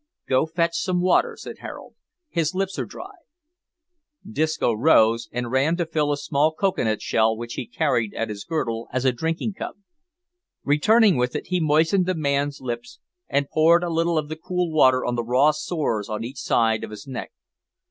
"Go fetch some water," said Harold. "His lips are dry." Disco rose and ran to fill a small cocoa nut shell which he carried at his girdle as a drinking cup. Returning with it he moistened the man's lips and poured a little of the cool water on the raw sores on each side of his neck.